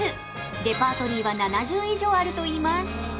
レパートリーは７０以上あるといいます。